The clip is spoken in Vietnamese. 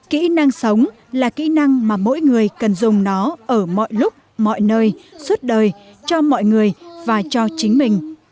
kỹ năng sống là kỹ năng mà mỗi người cần dùng nó ở mọi lúc mọi nơi suốt đời cho mọi người và cho chính mình